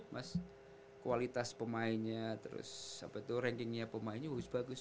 mas kualitas pemainnya terus rankingnya pemainnya bagus bagus